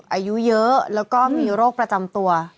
อายุเยอะแล้วก็มีโรคประจำตัว